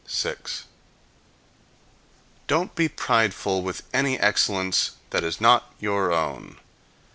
6. Don't be prideful with any excellence that is not your own.